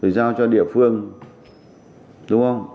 rồi giao cho địa phương đúng không